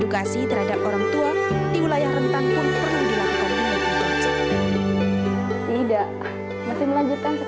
karena ingin berantas korupsi di indonesia